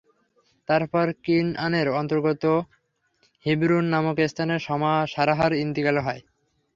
তারপর কিনআনের অন্তর্গত হিবরূন নামক স্থানে সারাহর ইনতিকাল হয়।